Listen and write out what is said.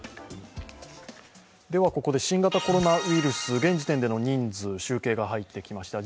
ここで新型コロナウイルス現時点での人数集計が入ってきました。